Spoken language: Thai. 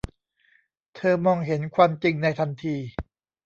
เธอมองเห็นความจริงในทันที